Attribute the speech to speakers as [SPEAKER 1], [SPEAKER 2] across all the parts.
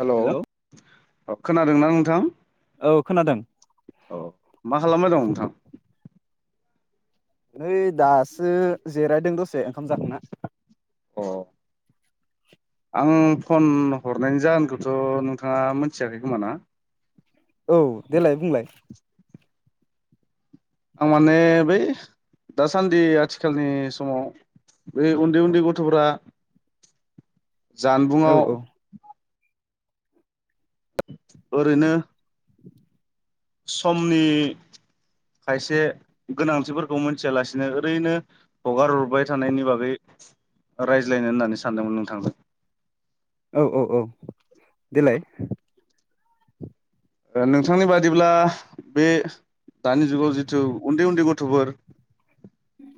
[SPEAKER 1] Hello खोनादोंना नोंथां?
[SPEAKER 2] औ खोनादों।
[SPEAKER 1] औ मा खालामबाय दं नोंथां?
[SPEAKER 2] नै दासो जेरायदों दसे ओंखाम जाखांना।
[SPEAKER 1] अ आं फन हरनायनि जाहोनखौथ' नोंथाङा मोनथियाखै खोमा ना?
[SPEAKER 2] औ देलाय बुंलाय।
[SPEAKER 1] आं माने बै दासान्दि आथिखालनि समाव बै उन्दै उन्दै गथ'फोरा
[SPEAKER 2] औ
[SPEAKER 1] जानबुंआव
[SPEAKER 2] औ
[SPEAKER 1] ओरैनो समनि खायसे गोनांथिफोरखौ मोनथियालासिनो ओरैनो हगारहरबाय थानायनि बागै रायज्लायनो होननानै सान सानदोंमोन नोंथां।
[SPEAKER 2] औ औ औ देलाय
[SPEAKER 1] नोंथांनि बादिब्ला बे दानि जुगाव जिथु उन्दै उन्दै गथ'फोर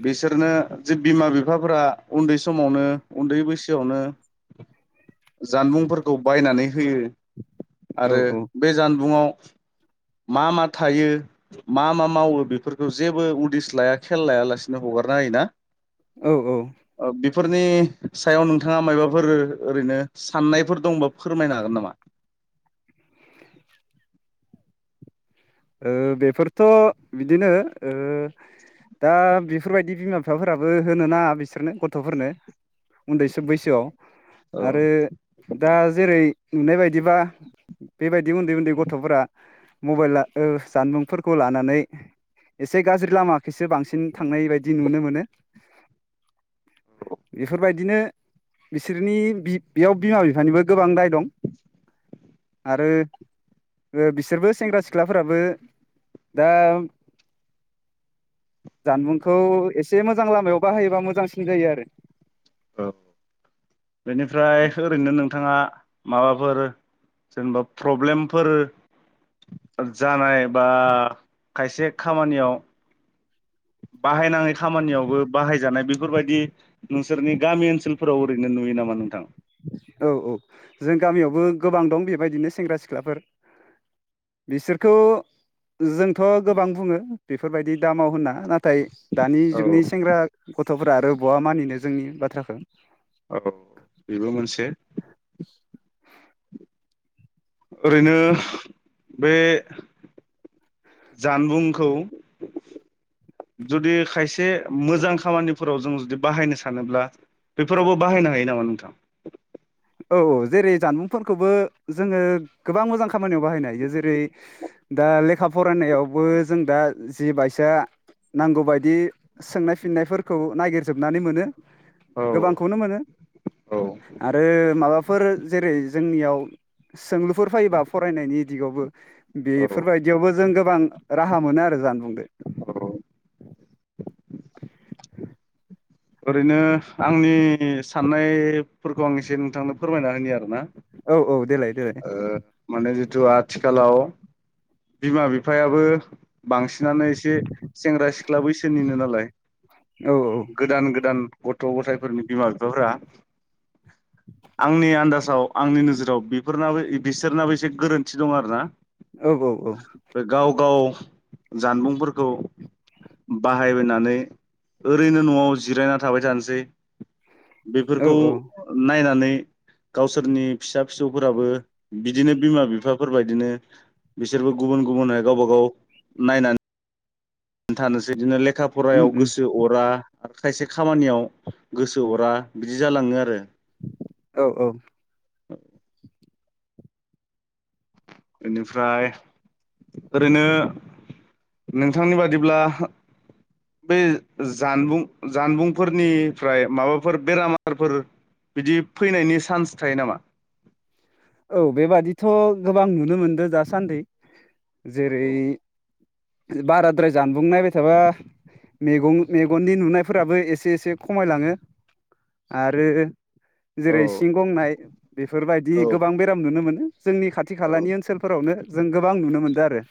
[SPEAKER 1] बिसोरनो जे बिमा बिफाफोरा उन्दै समावनो उन्दै बैसोआवनो जानबुंफोरखौ बायनानै होयो।
[SPEAKER 2] औ
[SPEAKER 1] आरो
[SPEAKER 2] औ
[SPEAKER 1] बे जानबुंआव मा मा थायो मा मा मावो बेफोरखौ जेबो उदिस लाया खेल लायालासिनो हगारना हायोना।
[SPEAKER 2] औ औ
[SPEAKER 1] फोरनि सायाव नोंथाङा माबाफोर ओरैनो साननायफोर दंबा फोरमायनो हागोन नामा?
[SPEAKER 2] ओ बेफोरथ' बिदिनो ओ दा बेफोरबायदि बिमा बिफाफोराबो होनो नाङा बिसोरनो गथ'फोरनो उन्दैबसो बैसोआव। आरो
[SPEAKER 1] औ
[SPEAKER 2] दा जेरै नुनाय बायदिबा बेबायदि उन्दै उन्दै गथ'फोरा मबाइला ओ जानबुंफोरखौ लानानै एसे गाज्रि लामाखैसो बांसिन थांनाय बायदि नुनो मोनो। इफोरबायदिनो बिसोरनि बेयाव बिमा बिफानिबो गोबां दाय दं। आरो बिसोरबो सेंग्रा सि ख्लाफ्राबो दा जानबुंखौ एसे मोजां लामायाव बाहायोबा मोजांसिन जायो आरो
[SPEAKER 1] औ बेनिफ्राय ओरैनो नों थांङा माबाफोर जेनेबा प्रब्लेमफोर जानाय बा खायसे खामानियाव बाहायनाङै खामानियावबो बाहायजानाय बेफोरबायदि नोंसोरनि गामि ओनसोलफोराव ओरैनो नुयो नामा नोंथां?
[SPEAKER 2] औ औ जों गामियावबो गोबां दं बेबायदिनो सेंग्रा सिख्लाफोर। बिसोरखौ जोंथ' गोबां बुङो बेफोरबायदि दामाव होनना नाथा थाय दानि
[SPEAKER 1] औ
[SPEAKER 2] जुगनि सेंग्रा गथ'फोरा आरो बहा मानिनो जोंनि बाथ्राखौ
[SPEAKER 1] औ बेबो मोनसे
[SPEAKER 2] [unintelligible]
[SPEAKER 1] ओरैनो बे जानबुंखौ जुदि खायसे मोजां खामानिफोराव जों जुदि बाहायनो सानोब्ला बेफोरावबो बाहायनो हायो नामा नोंथां?
[SPEAKER 2] औ औ जेरै जानबुंफोरखौबो जोङो गोबां मोजां खामानियाव बाहायनो हायो जेरै दा लेखा फरायनायावबो जों दा जि बाइसा नांगौबायायदि सोंनाय फिननायफोरखौ नागिरजोबनानै मोनो
[SPEAKER 1] औ
[SPEAKER 2] गोबांखौनो मोनो
[SPEAKER 1] औ
[SPEAKER 2] आरो माबाफोर जेरै जोंनियाव सोंलुफोर फैबा फरायनायनि दिगावबो बेफोरबायदियावबो जों गोबां राहा मोनो आरो जानबुंजों
[SPEAKER 1] ओरैनो आंनि साननायफोरखौ आं एसे नोंथांनो फोरमायना होनि आरोना
[SPEAKER 2] औ औ देेलाय
[SPEAKER 1] ओ माने जिथु आथिखालाव बिमा बिफायाबो बांसिनानो एसे सेंग्रा सिख्ला बैसोनिनो नालाय
[SPEAKER 2] औ
[SPEAKER 1] गोदान गोदान गथ' गथायफोरनि बिमा बिफाफोरा आंनि आन्दाजाव आंनि नोजोराव बेफोरनाबो बिसोरनाबो एसे गोरोन्थि दं आरो ना
[SPEAKER 2] औ औ
[SPEAKER 1] गाव गाव गाव जानबुंफोरखौ बाहायनानै ओरैनो न'आव जिरायना थाबाय थानोसै।
[SPEAKER 2] औ
[SPEAKER 1] बेफोरखौ
[SPEAKER 2] औ
[SPEAKER 1] नायनानै गावसोरनि फिसा फिसौफोराबो बिदिनो बिमा बिफाफोरबायदिनो बिसोरबो गुबुन गुबुनहाय गावबा गाव नायनानै थानोसै बिदिनो ले लेखा
[SPEAKER 2] उम
[SPEAKER 1] फरायाव
[SPEAKER 2] उम
[SPEAKER 1] गोसो अरा आरो खायसे खामानियाव गोसो अरा बिदि जालाङो आरो।
[SPEAKER 2] औ औ
[SPEAKER 1] औ बेनिफ्राय ओरैनो नोंथांनि बादिब्ला बे जानबुं जानबुंफोरनिफ्राय माबाफोर बेरामारफोर बिदि फैनायनि चान्स थायो नामा?
[SPEAKER 2] औ बेबादिथ' गोबां नुनो मोनदों दासान्दि। जेरै बाराद्राय जानबुं नायबाय थाबा मेगं मेगननि नुनायफोराबो एसे एसे खमायलाङो आरो
[SPEAKER 1] औ
[SPEAKER 2] जेरै सिं गंनाय बेफोरबायदि गोबां बेराम नुनो मोनो। जोंनि खाथि
[SPEAKER 1] औ
[SPEAKER 2] खालानि ओनसोलफोरावनो जों गोबां नुनो मोनदो आरो।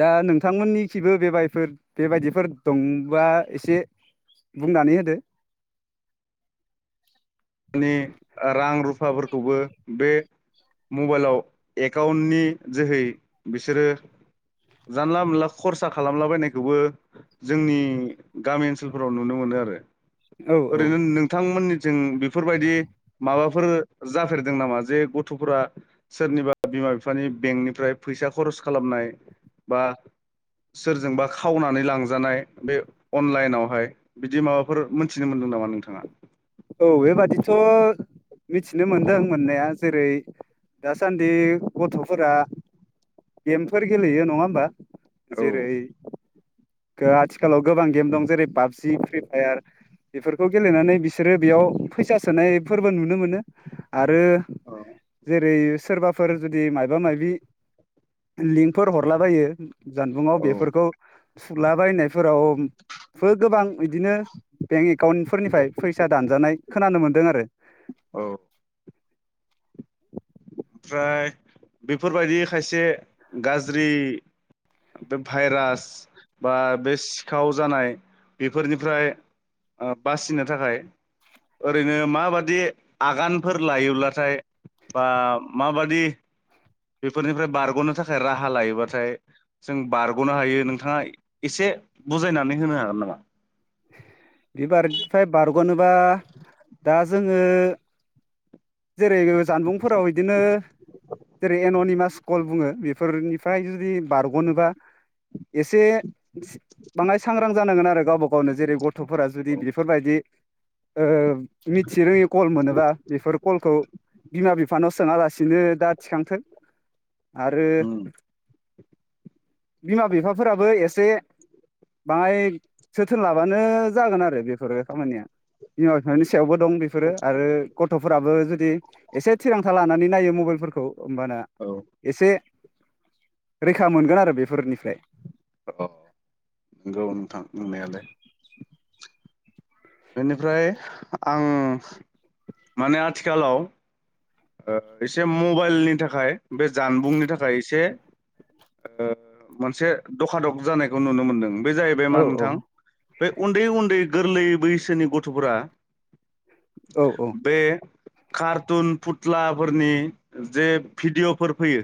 [SPEAKER 2] दा नोंथांमोननि खिबो बेबायफोर बेबायदिफोर दंबा एसे बुंनानै होदो?
[SPEAKER 1] मानि रां रुफाफोरखौबो बे मबाइलाव एकाउन्टनि जोहै बिसोरो जानला मोनला खरसा खालामलाबायनायखौबो जोंनि गामि ओनसोलफोराव नुनो मोनो आरो।
[SPEAKER 2] औ
[SPEAKER 1] ओरैनो नोंथांमोननि जों बेफ बेफोरबायदि माबाफोर जाफेरदों नामा जे गथ'फोरा सोरनिबा बिमा बिफानि बेंकनिफ्राय फैसा खरस खालामनाय बा सोरजोंबा खावनानै लांजानाय बे अनलाइनावहाय बिदि माबाफोर मोनथिनो मोनदों नामा नोंथाङा?
[SPEAKER 2] औ बेबादिथ' मिथिनो मोनदों मोननाया जेरै दासान्दि गथ'फोरा गेमफोर गेलेयो नङा होमबा?
[SPEAKER 1] औ
[SPEAKER 2] जेरै आथिखालाव गोबां गेम दं जेरै पाबजि, फ्रि फायार बेफोरखौ गेलेनानै बिस बिसोरो बेयाव फैसा सोनायफोरबो नुनो मोनो। आरो
[SPEAKER 1] औ
[SPEAKER 2] जेरै सोरबाफोर जुदि मायबा मायबि लिंकफोर हरलाबायो जानबुंआव बेफोरखौ थुला बायनायफोरावबो गोबां बिदिनो बेंक एकाउन्टफोरनिफ्राय फैसा दानजानाय खोनानो मोनदों आरो।
[SPEAKER 1] औ ओमफ्राय बेफोरबायदि खायसे गाज्रि बे भाइरास बा बे सिखाव जानाय बेफोरनिफ्राय ओ बासिनो थाखाय ओरैनो माबादि आगानफोर लायोब्लाथाय बा माबादि बेफोरनिफ्राय बारगनो थाखाय राहा लायोबाथाय जों बारगनो हायो नोंथाङा एसे बुजायनानै होनो हागोन नामा?
[SPEAKER 2] बिबारफ्राय बार ग'नोबा दा जोङो जेरै जानबुंफोराव बिदिनो जेरै एननिमास कल बुङो बेफोरनिफ्राय जुदि बारग'नोबा एसे बाङाय सांग्रां जानांगोन आरो गावबा गावनो जेरै गथ'फोरा जुदि बेफोरबायदि ओ मिथि रोङि कल मोनोबा बेफोर कलखौ बिमा बिफानाव सोंवालासिनो दा थिखांथों। आरो बिमा बिफाफोराबो एसे बाङाय जोथोन लाबानो जागोन आरो बेफोरो खामानिया बिमा बिफानि सायावबो दं बेफोरो आरो गथ'फोराबो जुदि एसे थिरांथा लानानै नायो मबाइलफोरखौ। होमबाना
[SPEAKER 1] औ
[SPEAKER 2] एसे रैखा मोनगोन आरो बेफोरनिफ्राय।
[SPEAKER 1] अ नंगौ नोंथां नंनायालाय। बेनिफ्राय आं माने आथिखालाव ओ-एसे मबाइलनि थाखाय बे जानबुंनि थाखाय एसे। ओ-मोनसे दखादख जानायखौ नुनो मोनदों। बे जाहैबाय मा
[SPEAKER 2] औ औ
[SPEAKER 1] नोंथां? बे उन्दै उन्दै गोरलै बैसोनि गथफोरा।
[SPEAKER 2] औ
[SPEAKER 1] बे खारटुन फुट थ्लाफोरनि जे भिडिअफोर फैयो।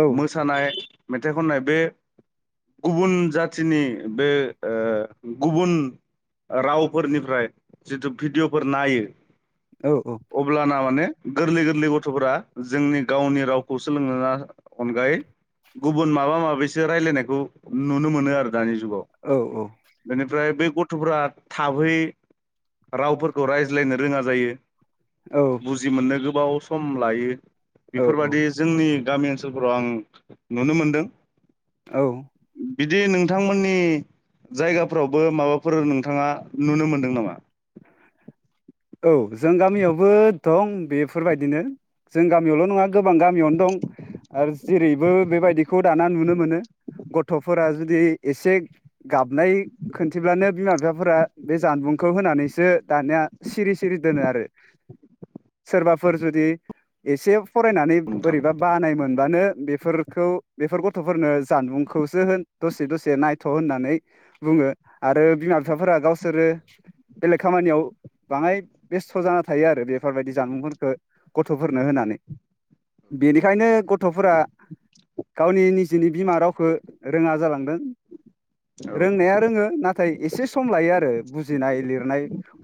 [SPEAKER 2] औ
[SPEAKER 1] मोसानाय मेथाइ खननाय बे गुबुन जाथिनि बे ओ-गुबुन रावफोरनिफ्राय जिथु भिडिअफोर नायो।
[SPEAKER 2] औ
[SPEAKER 1] अब्लाना माने। गोरलै गोरलै गथ'फोरा जोंनि गावनि रावखौ सोलों अनगायै गुबुन माबा माबिसो रायजलायनायखौ नुनो मोनो आरो। दानि जुगाव
[SPEAKER 2] औ
[SPEAKER 1] माने। ओमफ्राय बे गथ'फ्रा थाबै रावफोरखौ रायज्लायनो रोङा जायो।
[SPEAKER 2] औ
[SPEAKER 1] नो गोबाव सम लायो
[SPEAKER 2] औ
[SPEAKER 1] बेफोरबायदि जोंनि। गामि ओनसोलफोराव आं नुनो मोनदों।
[SPEAKER 2] औ
[SPEAKER 1] बिदि नोंथांमोननि जायगाफ्रावबो माबाफोर नोंथाङा नुनो मोनदों नामा?
[SPEAKER 2] औ जों गामियावबो दं बेफोरबायदिनो जों गामियावल' नङा गोबां गामियावनो दं आरो जेरैबो बेबायदिखौ दाना नुनो मोनो गथ'फोरा जुदि एसे गाब नाय खोनन्थिबानो बिमा। बिफाफोरा बे जानबुंखौ होनानै। सो दानिया सिरि सिरि दोनो आरो सोरबाफोर जुदि एसे। फरायनानै
[SPEAKER 1] नोंथां
[SPEAKER 2] बोरैबा बानाय मोनबानो बेफोर। खौ बेफोर गथ'फोरनो जानबुंखौसो होन दसे दसे नायथ' होननानै बुङो आरो बिमा बिफाफोरा गावसोरो। बेलेग खामानियाव बाङाय बेस्थ' जाना थायो आरो बेफोरबायदि जामुंफोरखौ गथ'फोरनो होनानै बेनिखायनो गथ'फोरा गावनि निजेनि बिमा रावखौ रोङा जालांदों।
[SPEAKER 1] औ
[SPEAKER 2] रोंनाया रोङो नाथाय एसे सम लायो आरो बुजिनाय लिर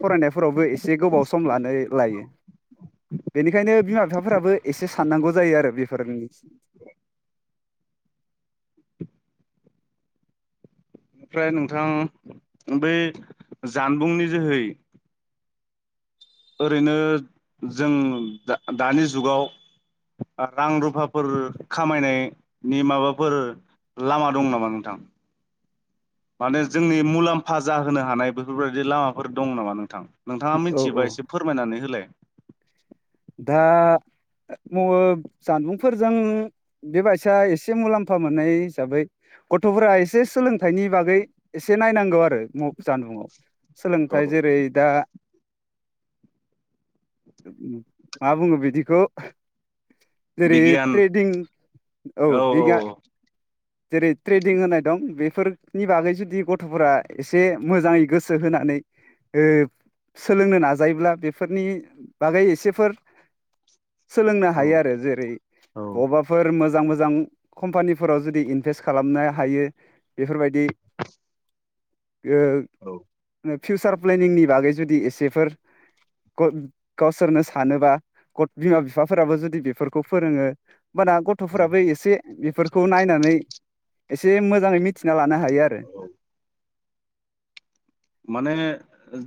[SPEAKER 2] फरायनायफोरावबो एसे गोबाव सम लानो लायो बेनिखायनो बिमा बिफाफोराबो एसे साननांगौ जायो आरो बेफोरनि।
[SPEAKER 1] ओमफ्राय नोंथां बै जानबुंनि जोहै। ओरैनो जों दा- दानि जुगाव रां रुफाफोर खामायनायनि माबाफोर लामा दं नामा नोंथां? माने जोंनि मुलाम्फा जाहोनो हानाय बेफोरबायाददि लामाफोर दं नामा नोंथां? नोंथाङा
[SPEAKER 2] औ औ
[SPEAKER 1] मिथियोबा एसे फोरमायनानै होलाय।
[SPEAKER 2] दा [unintelligible] जानबुंफोरजों बेबायसा एसे मुलाम्फा मोननाय हिसाबै गथ'फोरा एसे सोलोंथाइनि बागै एसे नायनांगौ आरो जानबुंआव।
[SPEAKER 1] औ
[SPEAKER 2] सोलोंथाइ जेरै दा। उम मा बुङो बिदिखौ? जेरै
[SPEAKER 1] बिगियान
[SPEAKER 2] ट्रेदिं औ बिगा जेरै ट्रेदिं होनाय दं बे बेफोरनि बागै जुदि गथ'फोरा एसे मोजाङै गोसो होनानै ओ सोलोंनो नाजायोब्ला बेफोरनि बागै एसेफोर सोलोंनो
[SPEAKER 1] औ
[SPEAKER 2] हायो आरो। जेरै
[SPEAKER 1] औ
[SPEAKER 2] बबावबाफोर मो जां मोजां कम्पानिफोराव जुदि इनभेस्ट खालामनो हायो बेफोरबायदि
[SPEAKER 1] औ
[SPEAKER 2] [inaudible] फिउसार प्लेनिंनि बागै जुदि एसेफोर [unintelligible] गावसोरनो सानोबा गथ बिमा बिफाफोराबो जुदि बेफोरखौ फोरोङो होमबाना गथ'फोराबो एसे बेफोरखौ नायनानै एसे मोजाङै मिथिना लानो हायो आरो।
[SPEAKER 1] माने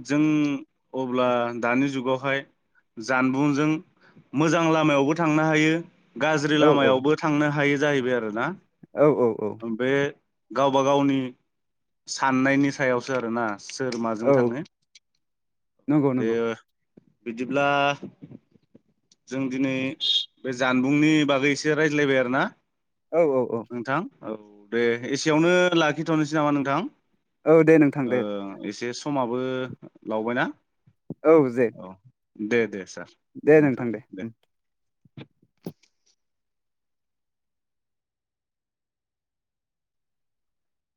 [SPEAKER 1] जों अब्ला दानि जुगावहाय जानबुंजों मोजां लामायावबो थांनो हायो गाज्रि
[SPEAKER 2] औ औ
[SPEAKER 1] लामायावबो थांनो हायो जाहैबाय आरोना?
[SPEAKER 2] औ औ औ।
[SPEAKER 1] बे गावबा गावनि साननायनि सायावसो आरोना। सोर माजों
[SPEAKER 2] औ
[SPEAKER 1] थाङो।
[SPEAKER 2] नंगौ नंगौ
[SPEAKER 1] बेयो बिदिब्ला जों दिनै बे जानबुंनि बागै एसे रायज्लायबाय आरोना?
[SPEAKER 2] औ औ औ।
[SPEAKER 1] नोंथां औ दे एसेयावनो लाखिथ'नोसै नामा नोंथां?
[SPEAKER 2] औ दे नोंथां दे।
[SPEAKER 1] ओ एसे समाबो लावबायना।
[SPEAKER 2] औ जे
[SPEAKER 1] औ दे दे सार।
[SPEAKER 2] दे नोंथां दे उम।